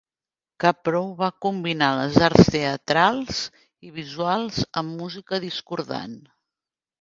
Kaprow va combinar les arts teatrals i visuals amb música discordant.